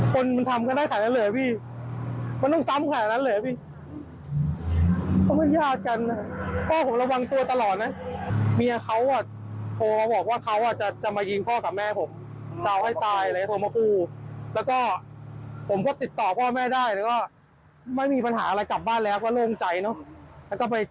ขอให้ตายเลยโทรมาข่มข่าวแล้วก็ผมก็ติดต่อพ่อแม่ได้ไม่มีปัญหากลับบ้านแล้วก็เริ่มใจเนอะ